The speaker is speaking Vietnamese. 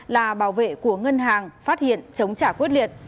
là bảo vệ của ngân hàng phát hiện chống trả quyết liệt